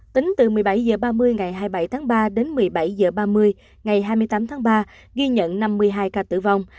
tính từ một mươi bảy h ba mươi ngày hai mươi bảy tháng ba đến một mươi bảy h ba mươi ngày hai mươi tám tháng ba ghi nhận năm mươi hai ca tử vong